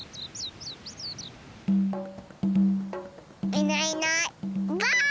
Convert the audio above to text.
いないいないばあっ！